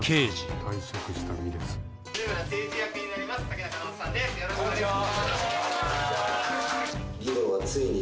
よろしくお願いします。